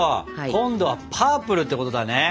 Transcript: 今度はパープルってことだね。